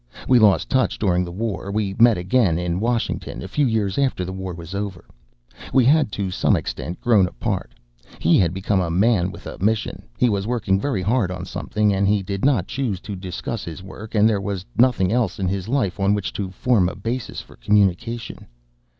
We lost touch during the war. We met again in Washington, a few years after the war was over. We had, to some extent, grown apart; he had become a man with a mission. He was working very hard on something and he did not choose to discuss his work and there was nothing else in his life on which to form a basis for communication.